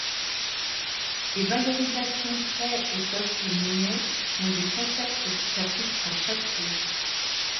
Les valorisations pré et post-money sont des concepts qui s'appliquent pour chaque tour.